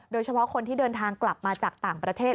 โดยเฉพาะคนที่เดินทางกลับมาจากต่างประเทศ